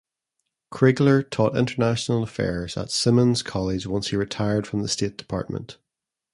Crigler taught International Affairs at Simmons College once he retired from the State Department.